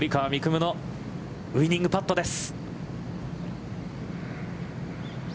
夢のウイニングパットです。